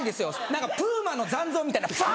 何かプーマの残像みたいなファ！